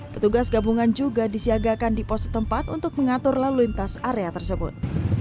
petugas gabungan juga disiagakan di pos setempat untuk mengatur lalu lintas area tersebut